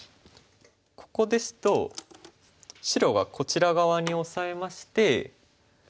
ここですと白がこちら側にオサえまして。